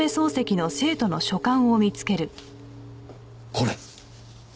これ。